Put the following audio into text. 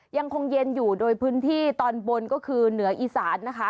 ยังคงเย็นอยู่โดยพื้นที่ตอนบนก็คือเหนืออีสานนะคะ